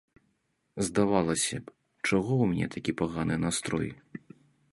Здавалася б, чаго ў мяне такія паганы настрой?